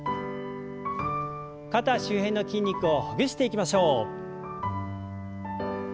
肩周辺の筋肉をほぐしていきましょう。